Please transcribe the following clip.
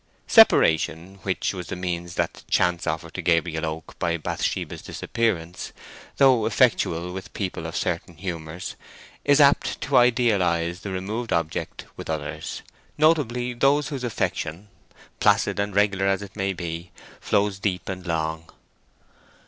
Separation, which was the means that chance offered to Gabriel Oak by Bathsheba's disappearance, though effectual with people of certain humours, is apt to idealize the removed object with others—notably those whose affection, placid and regular as it may be, flows deep and long.